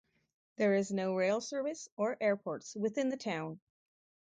There is no rail service or airports within the town.